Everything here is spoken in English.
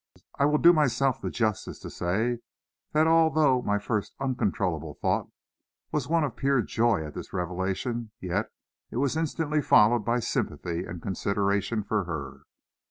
I will do myself the justice to say that although my first uncontrollable thought was one of pure joy at this revelation, yet it was instantly followed by sympathy and consideration for her.